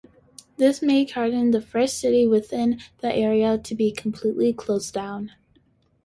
This made Cardin the first city within the area to be completely closed down.